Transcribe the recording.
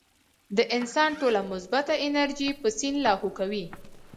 د انسان ټوله مثبت انرجي پۀ سين لاهو کوي -